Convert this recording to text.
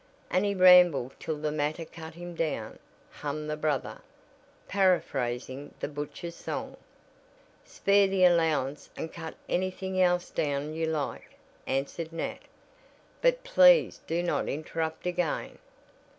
'And he rambled till the mater cut him down,'" hummed the brother, paraphrasing the butcher song. "Spare the allowance and cut anything else down you like," answered Nat. "But please do not interrupt again."